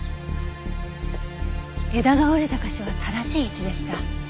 枝が折れた箇所は正しい位置でした。